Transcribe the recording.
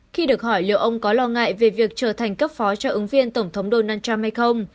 khi được hỏi liệu ông có lo ngại về việc trở thành cấp phó cho ứng viên tổng thống donald trump hay không